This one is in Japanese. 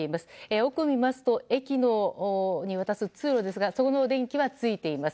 奥を見ますと駅を見渡す通路ですがその電気はついています。